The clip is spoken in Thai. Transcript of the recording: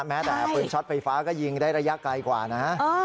แม้แต่ปืนช็อตไฟฟ้าก็ยิงได้ระยะไกลกว่านะ